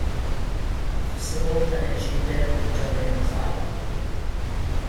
Fu sepolta nel cimitero di Giaveno-Sala.